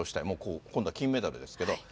もう、今度は金メダルですけど。